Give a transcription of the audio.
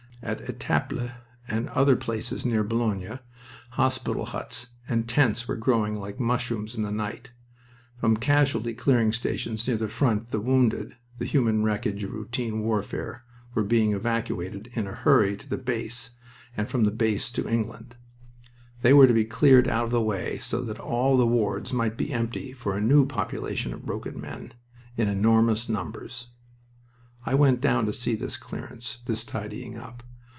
At Etaples and other places near Boulogne hospital huts and tents were growing like mushrooms in the night. From casualty clearing stations near the front the wounded the human wreckage of routine warfare were being evacuated "in a hurry" to the base, and from the base to England. They were to be cleared out of the way so that all the wards might be empty for a new population of broken men, in enormous numbers. I went down to see this clearance, this tidying up.